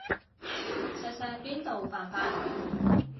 錫錫邊度犯法